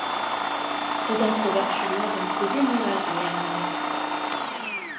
Тудат тыгак шона гын, кузе мый рат лиям ыле!»